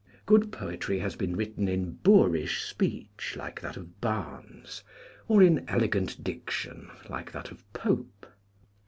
Good poetry has been written in boorish speech, like that of Barnes, or in elegant diction, like that of Pope.